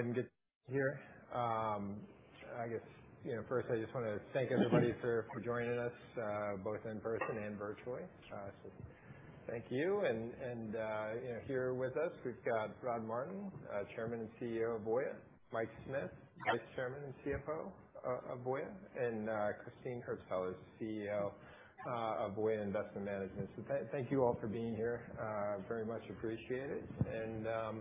Go ahead and get here. I guess first I just want to thank everybody for joining us, both in person and virtually. Thank you. Here with us, we've got Rod Martin, Chairman and CEO of Voya, Mike Smith, Vice Chairman and CFO of Voya, and Christine Hurtsellers, CEO of Voya Investment Management. Thank you all for being here. Very much appreciated. To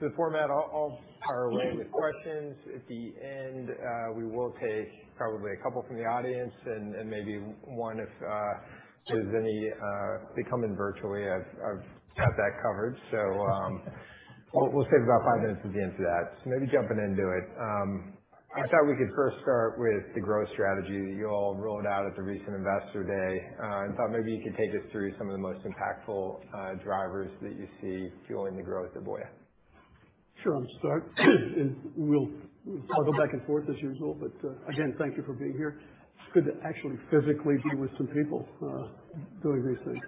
the format, I'll power away with questions. At the end, we will take probably a couple from the audience and maybe one if there's any. They come in virtually. I've got that covered. We'll save about five minutes at the end for that. Maybe jumping into it. I thought we could first start with the growth strategy that you all rolled out at the recent Investor Day. Thought maybe you could take us through some of the most impactful drivers that you see fueling the growth at Voya. Sure. I'll start. We'll toggle back and forth as usual. Again, thank you for being here. It's good to actually physically be with some people doing these things.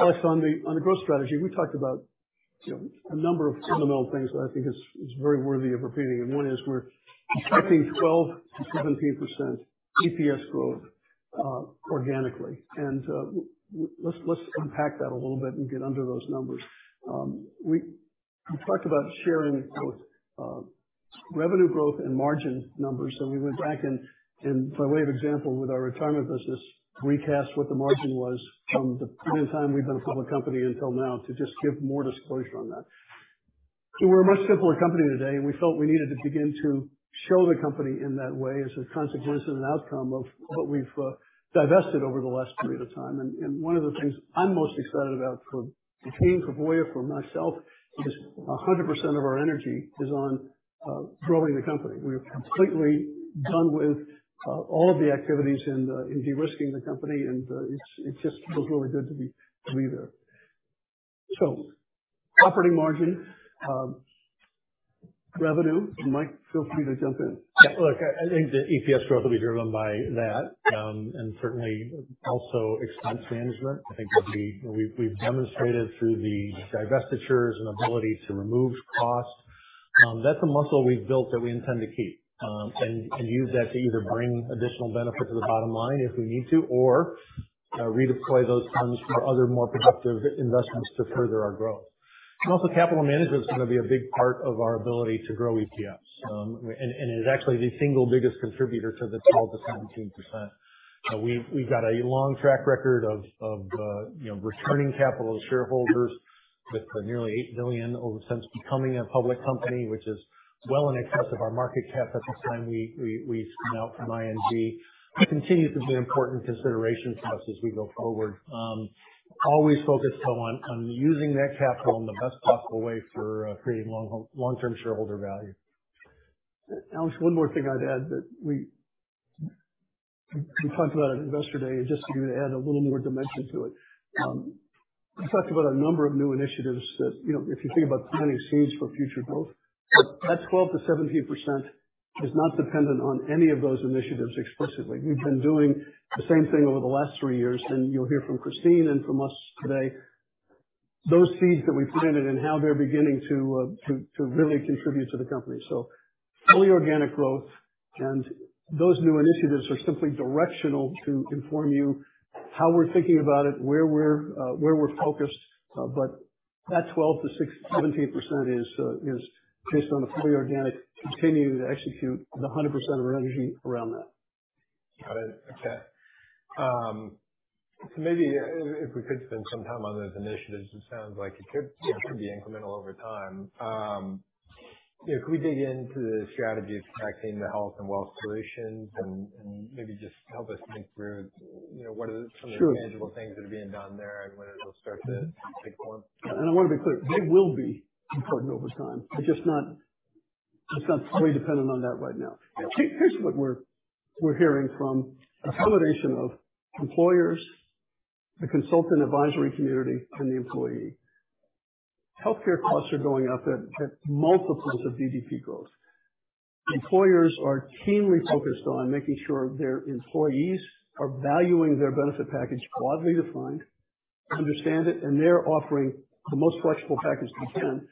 Alex, on the growth strategy, we talked about a number of fundamental things that I think is very worthy of repeating, and one is we're expecting 12%-17% EPS growth organically. Let's unpack that a little bit and get under those numbers. We talked about sharing both revenue growth and margin numbers. We went back and by way of example, with our retirement business, recast what the margin was from the point in time we've been a public company until now to just give more disclosure on that. We're a much simpler company today, and we felt we needed to begin to show the company in that way as a consequence and outcome of what we've divested over the last period of time. One of the things I'm most excited about for the team, for Voya, for myself, is 100% of our energy is on growing the company. We are completely done with all of the activities in de-risking the company, and it just feels really good to be there. Operating margin, revenue. Mike, feel free to jump in. Yeah. Look, I think the EPS growth will be driven by that. Certainly also expense management. I think we've demonstrated through the divestitures and ability to remove costs. That's a muscle we've built that we intend to keep, and use that to either bring additional benefit to the bottom line if we need to, or redeploy those funds for other more productive investments to further our growth. Also capital management is going to be a big part of our ability to grow EPS. It is actually the single biggest contributor to the 12%-17%. We've got a long track record of returning capital to shareholders with nearly $8 billion since becoming a public company, which is well in excess of our market cap at the time we spun out from ING. It continues to be an important consideration to us as we go forward. Always focused, though, on using that capital in the best possible way for creating long-term shareholder value. Alex, one more thing I'd add that we talked about at Investor Day, just to add a little more dimension to it. We talked about a number of new initiatives that if you think about planting seeds for future growth, that 12%-17% is not dependent on any of those initiatives explicitly. We've been doing the same thing over the last 3 years, and you'll hear from Christine and from us today, those seeds that we planted and how they're beginning to really contribute to the company. Fully organic growth and those new initiatives are simply directional to inform you how we're thinking about it, where we're focused. That 12%-17% is based on the fully organic continuing to execute the 100% of our energy around that. Got it. Okay. Maybe if we could spend some time on those initiatives, it sounds like it could be incremental over time. Could we dig into the strategy of attacking the Health and Wealth Solutions and maybe just help us think through what are some of the tangible things that are being done there and when it'll start to take form. Sure. I want to be clear, they will be important over time. It's just not fully dependent on that right now. Here's what we're hearing from a combination of employers, the consultant advisory community, and the employee. Healthcare costs are going up at multiples of GDP growth. Employers are keenly focused on making sure their employees are valuing their benefit package, broadly defined, understand it, and they're offering the most flexible package they can.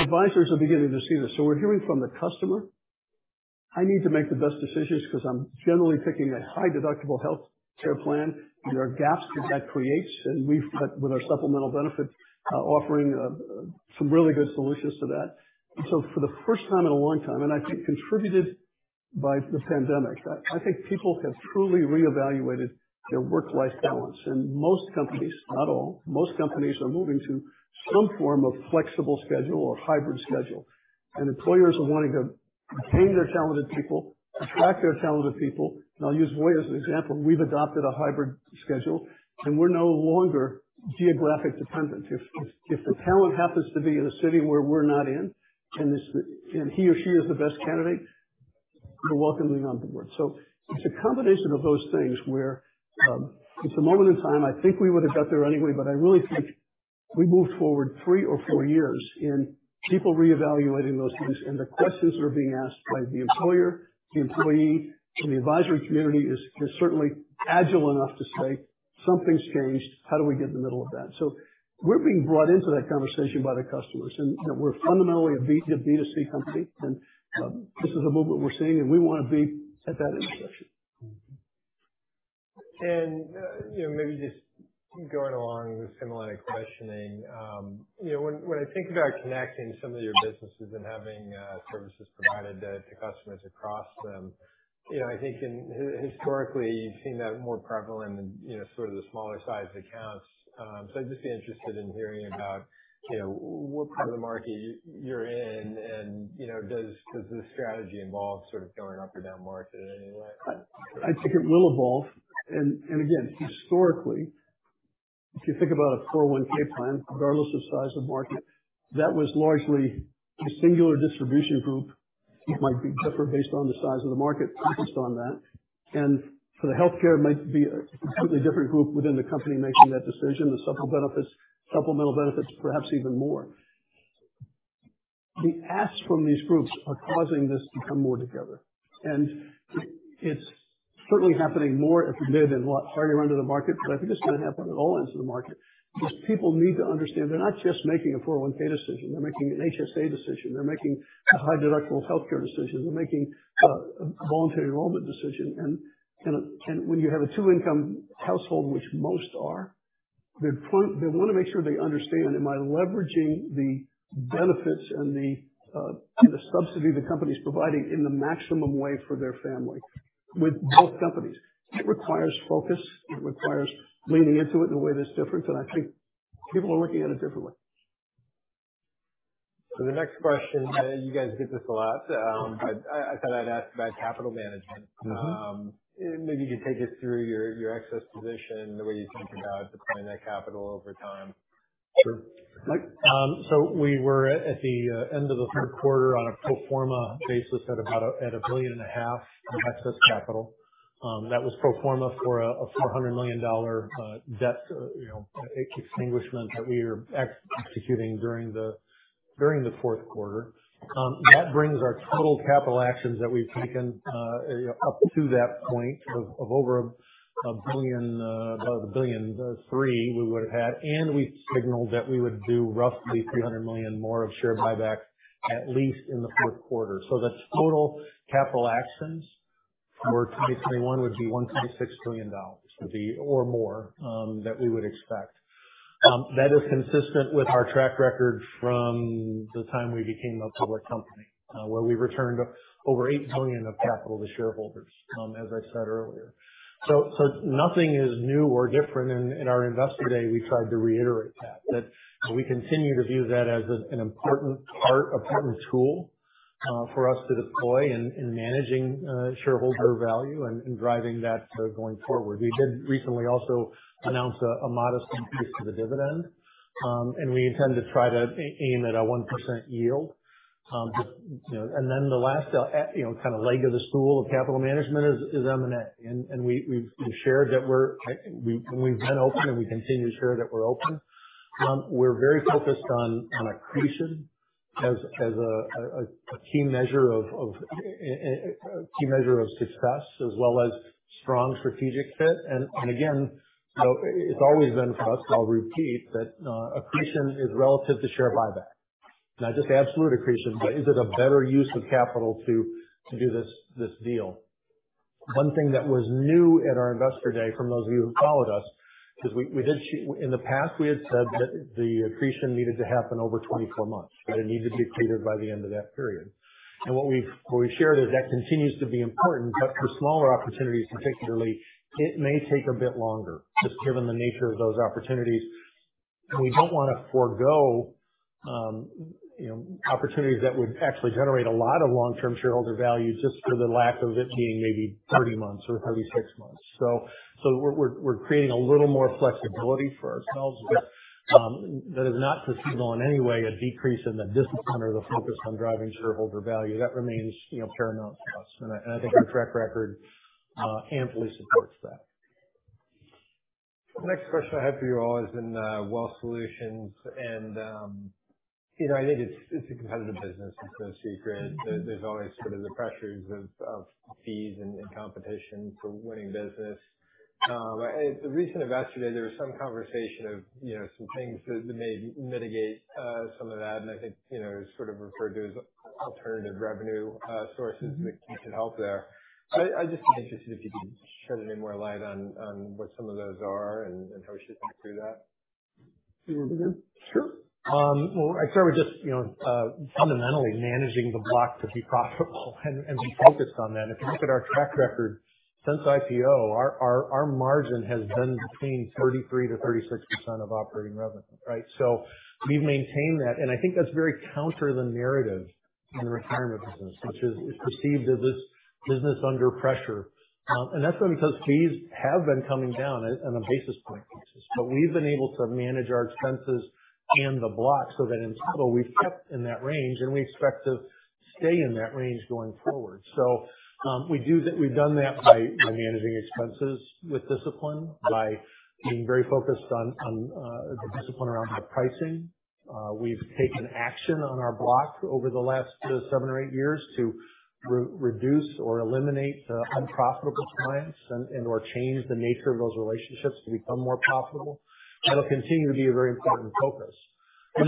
Advisors are beginning to see this. We're hearing from the customer, "I need to make the best decisions because I'm generally picking a high deductible healthcare plan." There are gaps that that creates. We've, with our supplemental benefits, offering some really good solutions to that. For the first time in a long time, I think contributed by the pandemic, I think people have truly reevaluated their work-life balance. Most companies, not all, most companies are moving to some form of flexible schedule or hybrid schedule. Employers are wanting to retain their talented people, attract their talented people. I'll use Voya as an example. We've adopted a hybrid schedule. We're no longer geographic dependent. If the talent happens to be in a city where we're not in, and he or she is the best candidate, we're welcoming them onboard. It's a combination of those things where it's a moment in time. I think we would have got there anyway. I really think we moved forward three or four years in people reevaluating those things. The questions that are being asked by the employer, the employee, and the advisory community is certainly agile enough to say Something's changed. How do we get in the middle of that? We're being brought into that conversation by the customers. We're fundamentally a B2C company. This is a movement we're seeing. We want to be at that intersection. Maybe just going along with similar questioning. When I think about connecting some of your businesses and having services provided to customers across them, I think historically you've seen that more prevalent in sort of the smaller sized accounts. I'd just be interested in hearing about what part of the market you're in. Does this strategy involve sort of going up or down market in any way? I think it will evolve. Again, historically, if you think about a 401 plan, regardless of size of market, that was largely a singular distribution group. It might be different based on the size of the market focused on that. For the healthcare, it might be a completely different group within the company making that decision. The supplemental benefits, perhaps even more. The asks from these groups are causing this to come more together, and it's certainly happening more if you did in what, earlier into the market. I think it's going to happen at all ends of the market, because people need to understand they're not just making a 401 decision. They're making an HSA decision. They're making a high deductible healthcare decision. They're making a voluntary enrollment decision. When you have a two-income household, which most are, they want to make sure they understand, am I leveraging the benefits and the subsidy the company's providing in the maximum way for their family with both companies. It requires focus. It requires leaning into it in a way that's different. I think people are looking at it differently. The next question, you guys get this a lot. I thought I'd ask about capital management. Maybe you could take us through your excess position, the way you think about deploying that capital over time. Sure. We were at the end of the third quarter on a pro forma basis at about $1.5 billion in excess capital. That was pro forma for a $400 million debt extinguishment that we are executing during the fourth quarter. That brings our total capital actions that we've taken up to that point of over $1.3 billion we would have had. We signaled that we would do roughly $300 million more of share buyback at least in the fourth quarter. That is total capital actions for 2021 would be $1.6 billion or more that we would expect. That is consistent with our track record from the time we became a public company where we returned over $8 billion of capital to shareholders as I said earlier. Nothing is new or different. In our Investor Day, we tried to reiterate that. That we continue to view that as an important part, a important tool for us to deploy in managing shareholder value and driving that going forward. We did recently also announce a modest increase to the dividend. We intend to try to aim at a 1% yield. The last kind of leg of the stool of capital management is M&A. We've been open, and we continue to share that we're open. We're very focused on accretion as a key measure of success as well as strong strategic fit. Again, it's always been for us, I'll repeat, that accretion is relative to share buyback, not just absolute accretion, but is it a better use of capital to do this deal? One thing that was new at our Investor Day from those of you who followed us, because in the past, we had said that the accretion needed to happen over 24 months, that it needed to be completed by the end of that period. What we've shared is that continues to be important, but for smaller opportunities particularly, it may take a bit longer just given the nature of those opportunities. We don't want to forego opportunities that would actually generate a lot of long-term shareholder value just for the lack of it being maybe 30 months or 36 months. We're creating a little more flexibility for ourselves. That is not to signal in any way a decrease in the discipline or the focus on driving shareholder value. That remains paramount to us. I think our track record amply supports that. The next question I have for you all is in Wealth Solutions, I think it's a competitive business. It's no secret. There's always sort of the pressures of fees and competition for winning business. At the recent Investor Day, there was some conversation of some things that may mitigate some of that, I think it was sort of referred to as alternative revenue sources that could help there. I'd just be interested if you could shed any more light on what some of those are and how we should think through that. Sure. Well, I'd start with just fundamentally managing the block to be profitable and be focused on that. If you look at our track record since IPO, our margin has been between 33%-36% of operating revenue. We've maintained that, and I think that's very counter the narrative in the retirement business, which is it's perceived as this business under pressure. That's only because fees have been coming down on a basis point basis. We've been able to manage our expenses and the block so that in total, we've kept in that range, and we expect to stay in that range going forward. We've done that by managing expenses with discipline, by being very focused on the discipline around the pricing. We've taken action on our block over the last seven or eight years to reduce or eliminate unprofitable clients and/or change the nature of those relationships to become more profitable. That'll continue to be a very important focus. As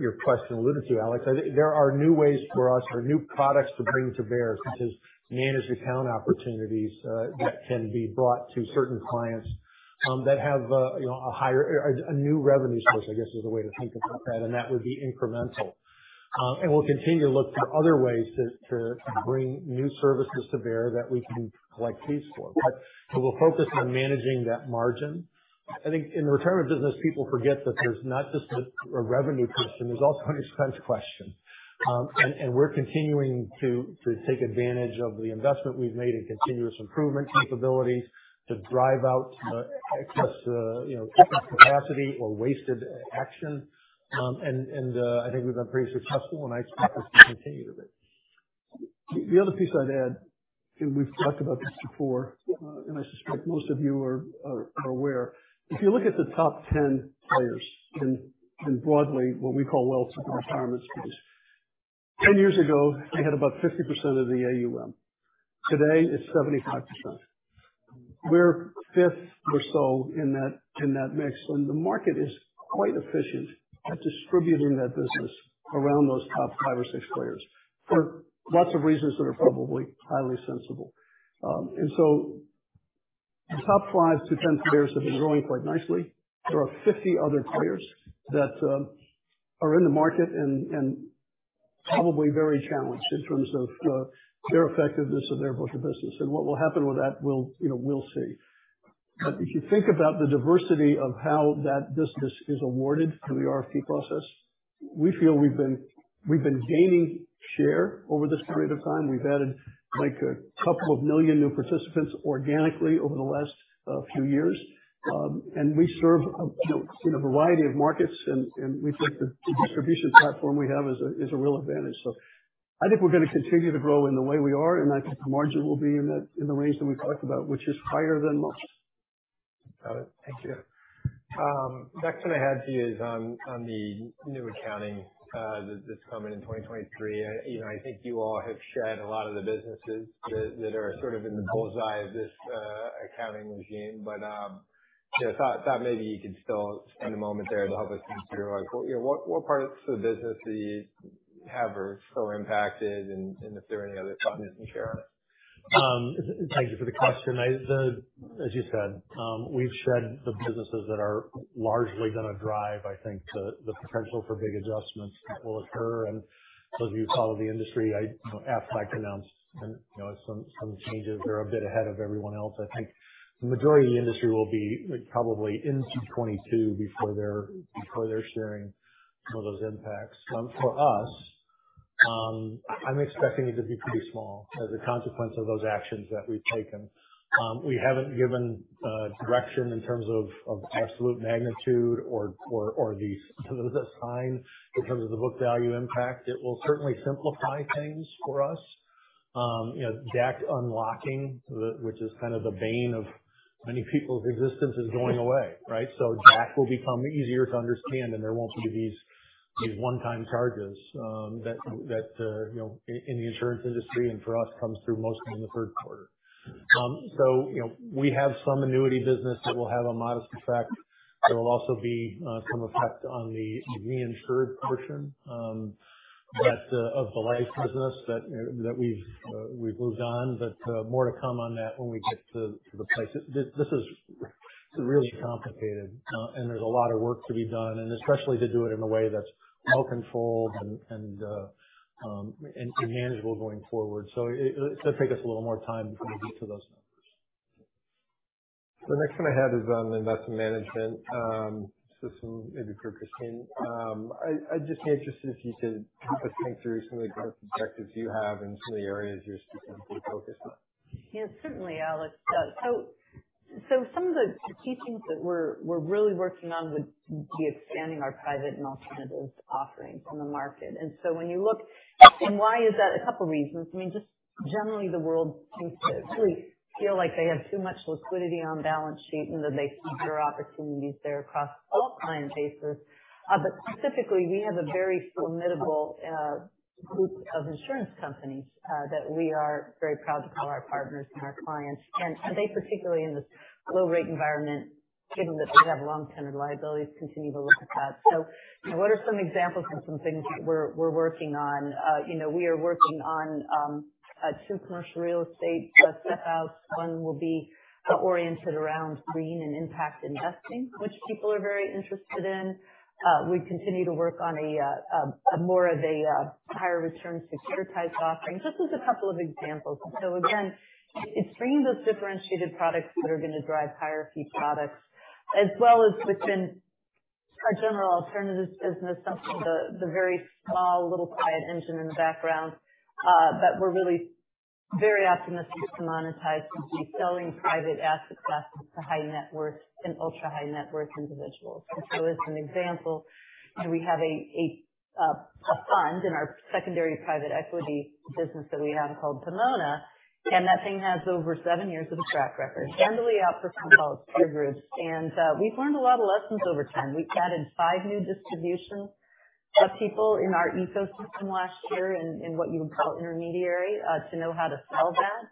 your question alludes to, Alex, I think there are new ways for us or new products to bring to bear such as managed account opportunities that can be brought to certain clients that have a new revenue source, I guess, is a way to think about that, and that would be incremental. We'll continue to look for other ways to bring new services to bear that we can collect fees for. We'll focus on managing that margin. I think in the retirement business, people forget that there's not just a revenue question, there's also an expense question. We're continuing to take advantage of the investment we've made in continuous improvement capabilities to drive out excess capacity or wasted action. I think we've been pretty successful, and I expect this to continue a bit. The other piece I'd add, we've talked about this before, and I suspect most of you are aware. If you look at the top 10 players in broadly what we call wealth and retirement space. Ten years ago, they had about 50% of the AUM. Today, it's 75%. We're fifth or so in that mix. The market is quite efficient at distributing that business around those top five or six players for lots of reasons that are probably highly sensible. The top five to 10 players have been growing quite nicely. There are 50 other players that are in the market and probably very challenged in terms of the effectiveness of their book of business. What will happen with that, we'll see. If you think about the diversity of how that business is awarded through the RFP process, we feel we've been gaining share over this period of time. We've added 2 million new participants organically over the last few years. We serve in a variety of markets, and we think the distribution platform we have is a real advantage. I think we're going to continue to grow in the way we are, and I think the margin will be in the range that we talked about, which is higher than most. Got it. Thank you. Next one I had to you is on the new accounting that's coming in 2023. I think you all have shed a lot of the businesses that are sort of in the bullseye of this accounting regime. I thought maybe you could still spend a moment there to help us think through what parts of the business you have are so impacted and if there are any other thoughts you can share. Thank you for the question. As you said, we've shed the businesses that are largely going to drive, I think, the potential for big adjustments that will occur. Those of you who follow the industry, after I pronounce some changes are a bit ahead of everyone else. I think the majority of the industry will be probably into 2022 before they're sharing some of those impacts. For us, I'm expecting it to be pretty small as a consequence of those actions that we've taken. We haven't given direction in terms of absolute magnitude or the sign in terms of the book value impact. It will certainly simplify things for us. DAC unlocking, which is kind of the bane of many people's existence, is going away, right? DAC will become easier to understand, and there won't be these one-time charges that in the insurance industry and for us comes through mostly in the third quarter. We have some annuity business that will have a modest effect. There will also be some effect on the reinsured portion of the life business that we've moved on, but more to come on that when we get to the place. This is really complicated, and there's a lot of work to be done, and especially to do it in a way that's well controlled and manageable going forward. It'll take us a little more time before we get to those numbers. The next one I have is on the investment management system, maybe for Christine. I'd just be interested if you could help us think through some of the growth objectives you have and some of the areas you're specifically focused on. Yes, certainly, Alex. Some of the key things that we're really working on would be expanding our private and alternatives offerings on the market. Why is that? A couple of reasons. Just generally, the world seems to really feel like they have too much liquidity on balance sheet and that they see better opportunities there across all client bases. Specifically, we have a very formidable group of insurance companies that we are very proud to call our partners and our clients. They, particularly in this low rate environment, given that they have long-tenured liabilities, continue to look to us. What are some examples of some things that we're working on? We are working on two commercial real estate trust set ups. One will be oriented around green and impact investing, which people are very interested in. We continue to work on more of a higher return security-type offering. Just as a couple of examples. Again, it's bringing those differentiated products that are going to drive higher fee products as well as within our general alternatives business, something of the very small, little quiet engine in the background that we're really very optimistic to monetize, which is selling private asset classes to high net worth and ultra-high net worth individuals. As an example, we have a fund in our secondary private equity business that we have called Pomona, and that thing has over seven years of a track record. We offer consults to groups. We've learned a lot of lessons over time. We've added five new distribution of people in our ecosystem last year in what you would call intermediary to know how to sell that.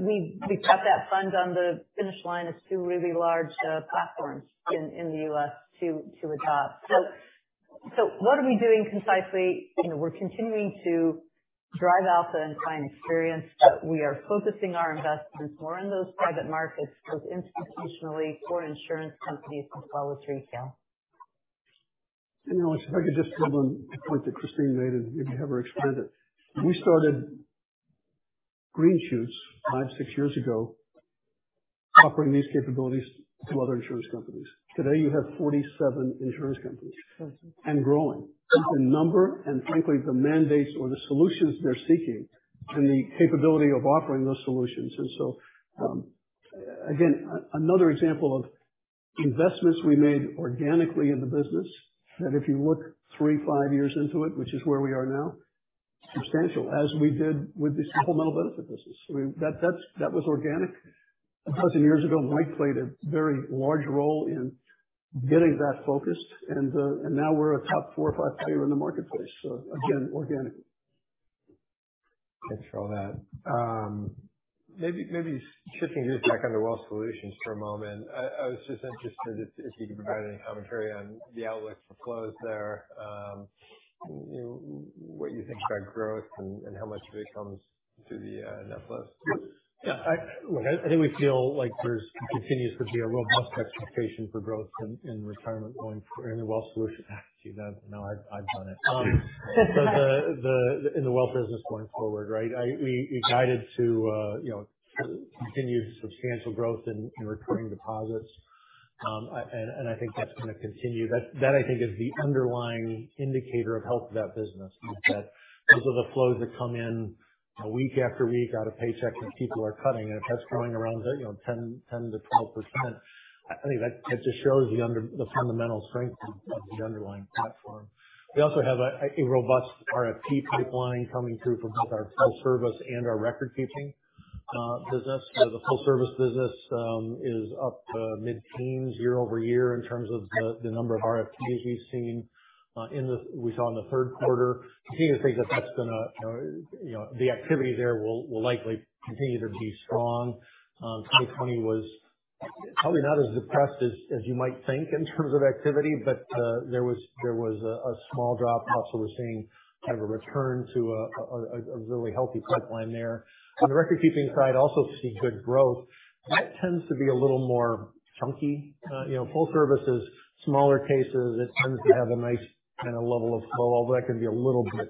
We've got that fund on the finish line of two really large platforms in the U.S. to adopt. What are we doing concisely? We're continuing to drive alpha and client experience, but we are focusing our investments more on those private markets both institutionally for insurance companies as well as retail. Alex, if I could just build on the point that Christine made, and maybe have her expand it. We started green shoots five, six years ago, offering these capabilities to other insurance companies. Today you have 47 insurance companies. Growing. The number and frankly the mandates or the solutions they're seeking and the capability of offering those solutions. Again, another example of investments we made organically in the business, that if you look three, five years into it, which is where we are now, substantial, as we did with the supplemental benefit business. That was organic a dozen years ago. Mike played a very large role in getting that focused, and now we're a top four or five player in the marketplace. Again, organic. Thanks for all that. Maybe shifting gears back onto Wealth Solutions for a moment. I was just interested if you could provide any commentary on the outlook for flows there. What you think about growth and how much of it comes to the net flows. Look, I think we feel like there continues to be a robust expectation for growth in retirement going forward-- in Wealth Solutions. Actually, no, I've done it. In the wealth business going forward, right? We guided to continued substantial growth in recurring deposits. I think that's going to continue. That I think is the underlying indicator of health of that business, is that those are the flows that come in week after week out of paychecks as people are cutting. If that's growing around 10% to 12%, I think that just shows the fundamental strength of the underlying platform. We also have a robust RFP pipeline coming through from both our full service and our record-keeping business, where the full service business is up mid-teens year-over-year in terms of the number of RFPs we've seen. We saw in the third quarter, continue to think that the activity there will likely continue to be strong. 2020 was probably not as depressed as you might think in terms of activity, but there was a small drop. Also, we're seeing kind of a return to a really healthy pipeline there. On the record-keeping side, also see good growth. That tends to be a little more chunky. Full service is smaller cases. It tends to have a nice kind of level of flow, although that can be a little bit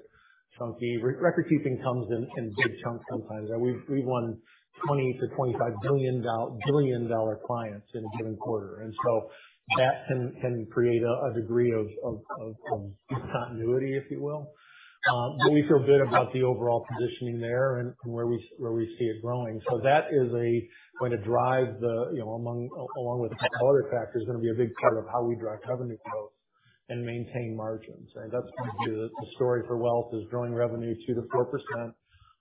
chunky. Record-keeping comes in big chunks sometimes. We've won $20 billion-$25 billion clients in a given quarter, so that can create a degree of discontinuity, if you will. We feel good about the overall positioning there and where we see it growing. That is going to drive the, along with a couple other factors, going to be a big part of how we drive revenue growth and maintain margins, right? That's going to be the story for Wealth, is growing revenue 2%-4%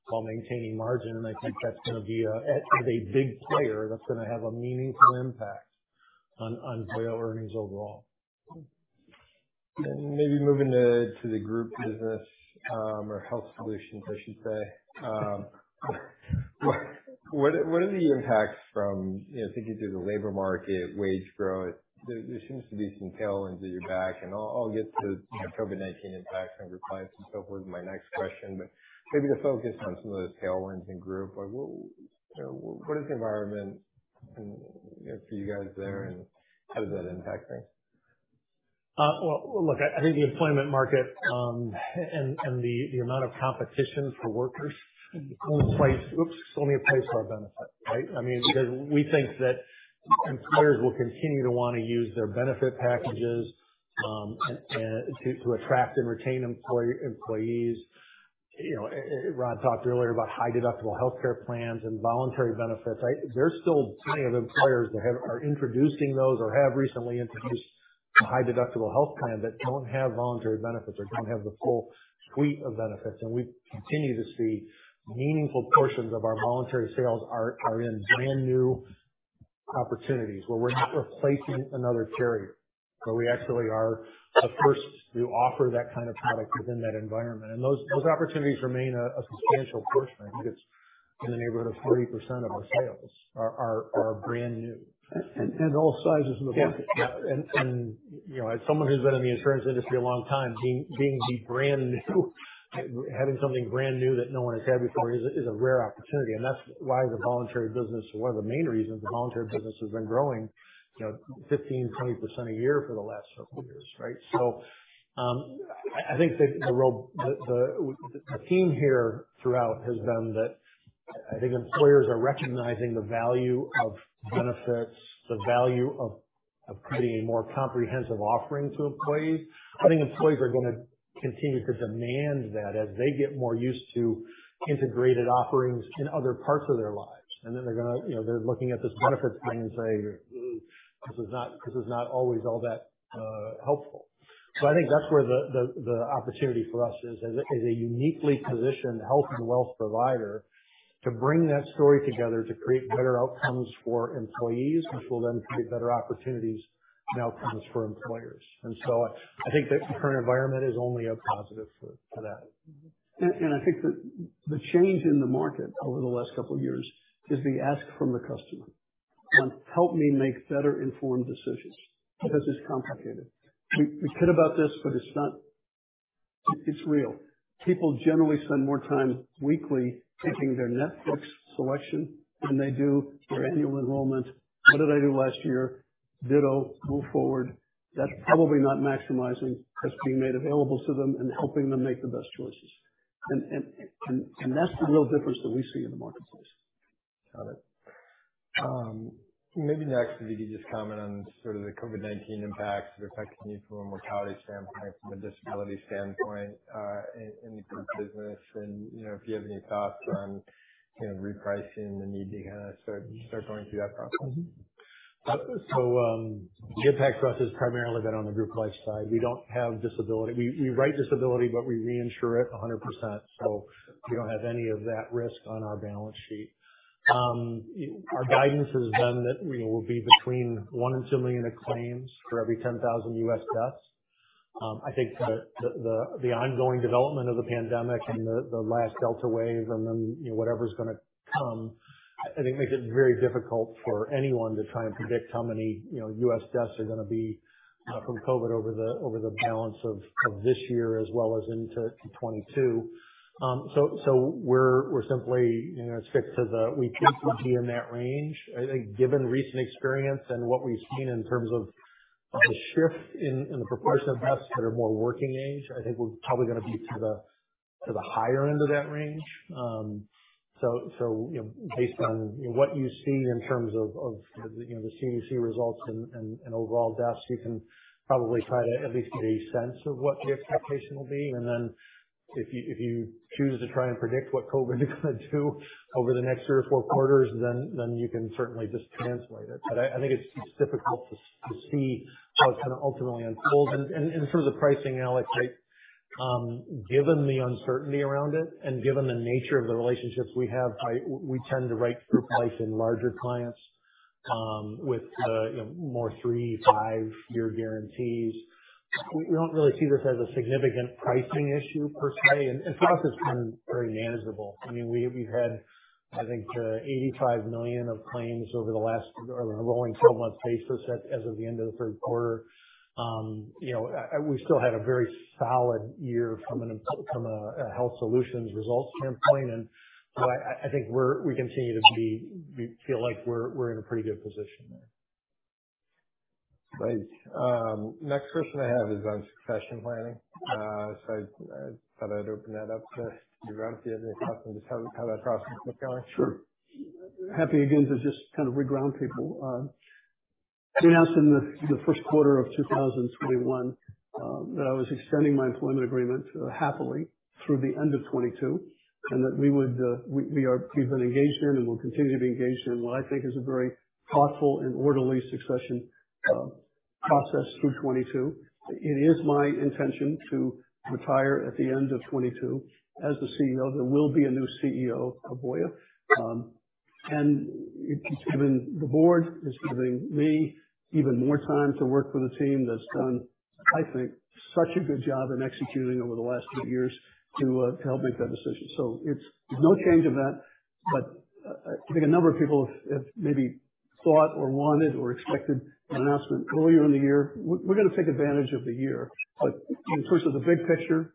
while maintaining margin. I think that's going to be a big player that's going to have a meaningful impact on Voya earnings overall. Maybe moving to the group business, or Health Solutions I should say. What are the impacts from thinking through the labor market, wage growth? There seems to be some tailwinds at your back. I'll get to COVID-19 impacts on group plans and so forth in my next question, maybe to focus on some of those tailwinds in group. What is the environment for you guys there, and how does that impact things? Well, look, I think the employment market, the amount of competition for workers only applies to our benefit, right? Because we think that employers will continue to want to use their benefit packages to attract and retain employees. Rod talked earlier about high deductible healthcare plans and voluntary benefits. There's still plenty of employers that are introducing those or have recently introduced a high deductible health plan that don't have voluntary benefits or don't have the full suite of benefits. We continue to see meaningful portions of our voluntary sales are in brand new opportunities where we're not replacing another carrier, we actually are the first to offer that kind of product within that environment. Those opportunities remain a substantial portion. I think it's in the neighborhood of 40% of our sales are brand new. All sizes of the market. Yeah. As someone who's been in the insurance industry a long time, being the brand new, having something brand new that no one has had before is a rare opportunity. That's why the voluntary business, one of the main reasons the voluntary business has been growing 15%-20% a year for the last several years, right? I think the theme here throughout has been that I think employers are recognizing the value of benefits, the value of creating a more comprehensive offering to employees. I think employees are going to continue to demand that as they get more used to integrated offerings in other parts of their lives. They're looking at this benefits thing and saying, "This is not always all that helpful." I think that's where the opportunity for us is, as a uniquely positioned health and wealth provider to bring that story together to create better outcomes for employees, which will then create better opportunities and outcomes for employers. I think the current environment is only a positive to that. I think that the change in the market over the last couple of years is the ask from the customer. Help me make better informed decisions because it's complicated. We kid about this, but it's real. People generally spend more time weekly picking their Netflix selection than they do their annual enrollment. What did I do last year? Ditto. Move forward. That's probably not maximizing what's being made available to them and helping them make the best choices. That's the real difference that we see in the marketplace. Got it. Maybe next if you could just comment on sort of the COVID-19 impacts, the effects maybe from a mortality standpoint, from a disability standpoint, in the group business and if you have any thoughts on kind of repricing, the need to kind of start going through that process. The impact for us has primarily been on the group life side. We don't have disability. We write disability, but we reinsure it 100%, so we don't have any of that risk on our balance sheet. Our guidance has been that we will be between $1 million and $2 million in claims for every 10,000 U.S. deaths. I think the ongoing development of the pandemic and the last Delta wave and then whatever's going to come, I think makes it very difficult for anyone to try and predict how many U.S. deaths are going to be from COVID over the balance of this year as well as into 2022. We're simply going to stick to the we think we'll be in that range. I think given recent experience and what we've seen in terms of the shift in the proportion of deaths that are more working age, I think we're probably going to be to the higher end of that range. Based on what you see in terms of the CDC results and overall deaths, you can probably try to at least get a sense of what the expectation will be. If you choose to try and predict what COVID is going to do over the next three or four quarters, then you can certainly just translate it. I think it's difficult to see how it's going to ultimately unfold. In terms of pricing, Alex, given the uncertainty around it and given the nature of the relationships we have, we tend to write group life in larger clients with more three, five-year guarantees. We don't really see this as a significant pricing issue per se. For us, it's been very manageable. We've had, I think, $85 million of claims over the last rolling 12-month basis as of the end of the third quarter. We still had a very solid year from a Health Solutions results standpoint. I think we continue to feel like we're in a pretty good position there. Great. Next question I have is on succession planning. I thought I'd open that up to you, Rod, if you have any thoughts on just how that process is going. Sure. Happy again to just kind of reground people. We announced in the first quarter of 2021 that I was extending my employment agreement happily through the end of 2022, and that we've been engaged in and will continue to be engaged in what I think is a very thoughtful and orderly succession process through 2022. It is my intention to retire at the end of 2022 as the CEO. There will be a new CEO of Voya. It's given the board, it's given me even more time to work with a team that's done, I think, such a good job in executing over the last few years to help make that decision. There's no change in that, but I think a number of people have maybe thought or wanted or expected an announcement earlier in the year. We're going to take advantage of the year. In terms of the big picture,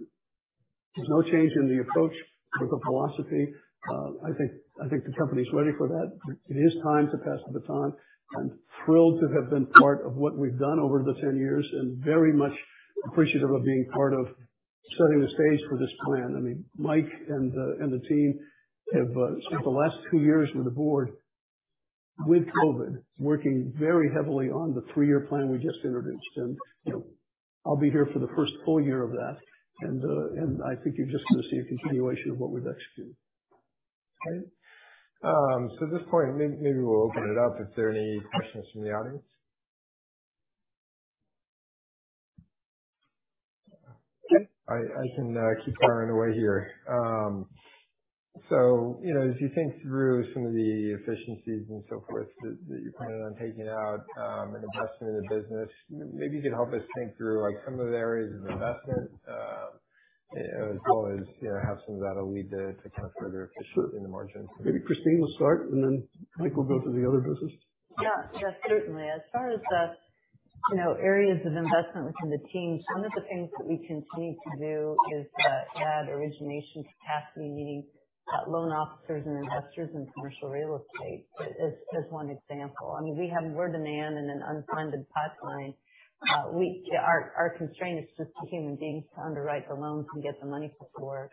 there's no change in the approach or the philosophy. I think the company is ready for that. It is time to pass the baton. I'm thrilled to have been part of what we've done over the 10 years and very much appreciative of being part of setting the stage for this plan. Mike and the team have spent the last two years with the board with COVID, working very heavily on the three-year plan we just introduced. I'll be here for the first full year of that. I think you're just going to see a continuation of what we've executed. Okay. At this point, maybe we'll open it up if there are any questions from the audience. I can keep firing away here. As you think through some of the efficiencies and so forth that you're planning on taking out and investing in the business, maybe you could help us think through some of the areas of investment as well as have some of that lead to kind of further efficiency in the margins. Maybe Christine will start, and then Mike will go through the other business. Yeah. Certainly. As far as the areas of investment within the team, some of the things that we continue to do is add origination capacity, loan officers, and investors in commercial real estate as one example. We have more demand in an unfunded pipeline. Our constraint is just the human beings to underwrite the loans and get the money to work.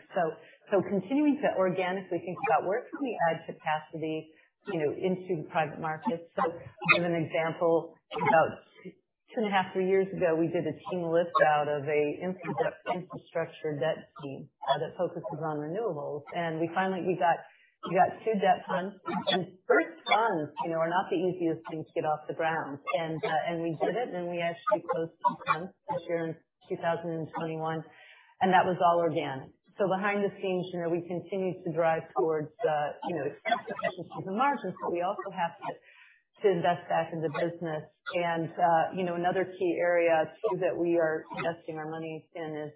Continuing to organically think about where can we add capacity into private markets. To give an example, about two and a half, three years ago, we did a team lift out of a infrastructure debt team that focuses on renewables. We finally got two debt funds. First funds are not the easiest thing to get off the ground. We did it, and then we actually closed some funds this year in 2021, and that was all organic. Behind the scenes, we continue to drive towards expansion of efficiencies and margins, but we also have to invest back in the business. Another key area too that we are investing our money in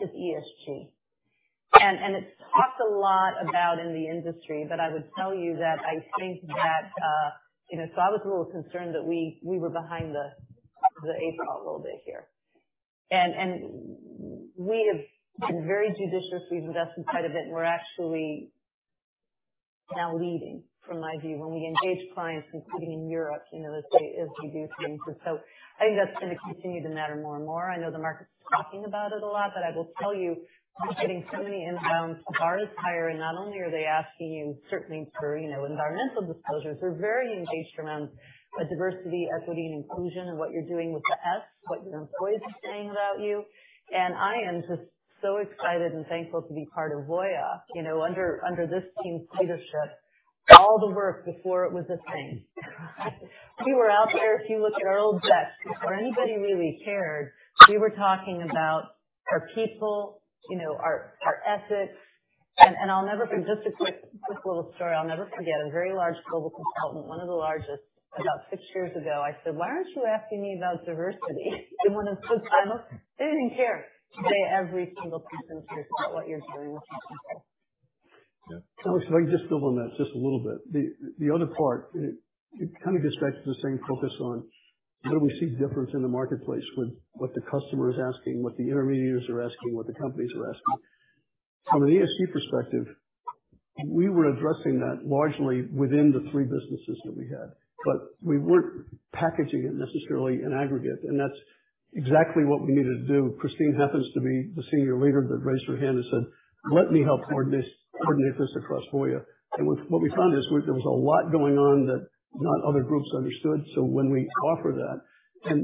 is ESG. It's talked a lot about in the industry, but I would tell you that I was a little concerned that we were behind the eight ball a little bit here. We have been very judicious. We've invested quite a bit, and we're actually now leading from my view when we engage clients, including in Europe, as we do things. I think that's going to continue to matter more and more. I know the market's talking about it a lot, but I will tell you we're getting so many inbounds, the bar is higher, and not only are they asking you certain things for environmental disclosures, they're very engaged around diversity, equity, and inclusion and what you're doing with the S, what your employees are saying about you. I am just so excited and thankful to be part of Voya, under this team's leadership, all the work before it was a thing. We were out there, if you look at our old decks before anybody really cared, we were talking about our people, our ethics. Just a quick little story, I'll never forget, a very large global consultant, one of the largest, about six years ago, I said, "Why aren't you asking me about diversity in one of those silos?" They didn't care. Today, every single person cares about what you're doing with these people. Yeah. Alex, if I could just build on that just a little bit. The other part, it kind of gets back to the same focus on where do we see difference in the marketplace with what the customer is asking, what the intermediaries are asking, what the companies are asking. From an ESG perspective, we were addressing that largely within the three businesses that we had, but we weren't packaging it necessarily in aggregate, that's exactly what we needed to do. Christine happens to be the senior leader that raised her hand and said, "Let me help coordinate this across Voya." What we found is there was a lot going on that other groups understood. When we offer that,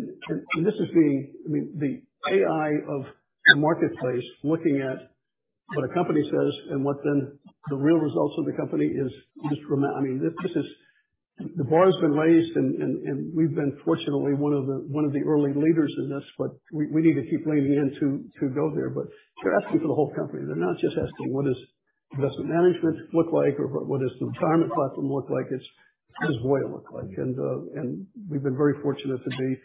this is the AI of the marketplace, looking at what a company says and what then the real results of the company is. The bar has been raised, we've been, fortunately, one of the early leaders in this, but we need to keep leaning in to go there. They're asking for the whole company. They're not just asking what does investment management look like or what does the retirement platform look like. It's what does Voya look like? We've been very fortunate to be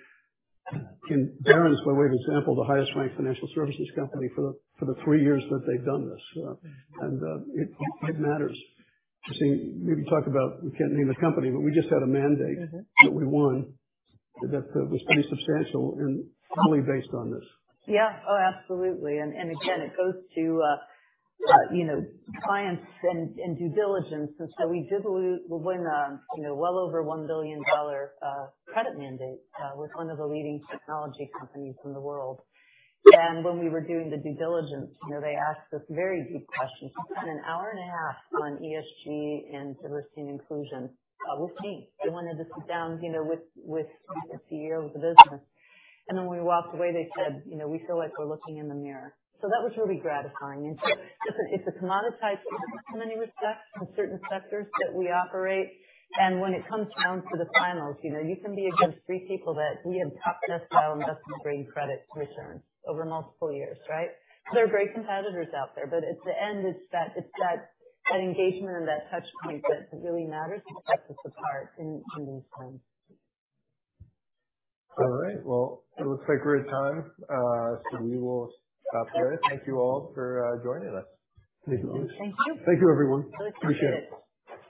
in Barron's, by way of example, the highest-ranked financial services company for the three years that they've done this. It matters. Christine, we've been talking about, we can't name the company, but we just got a mandate. That we won that was pretty substantial and solely based on this. Oh, absolutely. Again, it goes to clients and due diligence. We did win a well over $1 billion credit mandate with one of the leading technology companies in the world. When we were doing the due diligence, they asked us very deep questions. We spent an hour and a half on ESG and diversity and inclusion with me. They wanted to sit down with the CEO of the business. When we walked away, they said, "We feel like we're looking in the mirror." That was really gratifying. It's a commoditized business in many respects in certain sectors that we operate, when it comes down to the finals, you can be against three people that we have top decile investment grade credit returns over multiple years, right? There are great competitors out there, at the end, it's that engagement and that touch point that really matters and sets us apart in these times. All right. Well, it looks like we're at time, we will stop there. Thank you all for joining us. Thank you. Thank you. Thank you, everyone. Appreciate it.